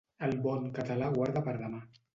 El bon català guarda per demà.